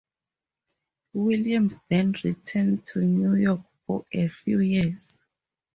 Williams then returned to New York for a few years.